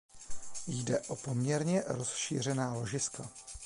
Jde o poměrně rozšířená ložiska.